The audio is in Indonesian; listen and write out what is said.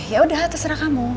yaudah terserah kamu